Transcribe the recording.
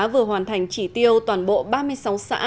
vừa hoàn thành chỉ tiêu toàn bộ ba mươi sáu xã